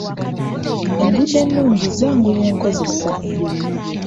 Enguudo ennungi zanguya enkozesa.